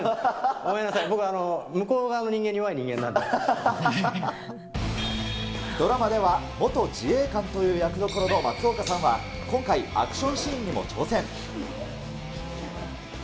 ごめんなさい、僕、向こう側ドラマでは元自衛官という役どころの松岡さんは、今回、アクションシーンにも挑戦。